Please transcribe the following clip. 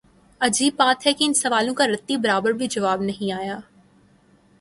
عجیب بات ہے کہ ان سوالوں کا رتی برابر بھی جواب نہیںآیا۔